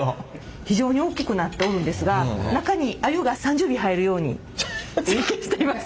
非常に大きくなっておるんですが中にアユが３０尾入るように設計しています。